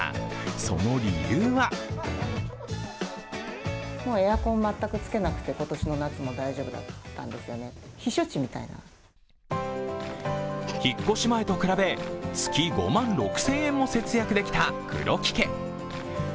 その理由は引っ越し前と比べ、月５万６０００円も節約できた黒木家。